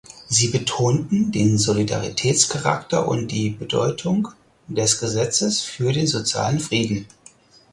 Sie betonten den Solidaritätscharakter und die Bedeutung des Gesetzes für den sozialen Frieden.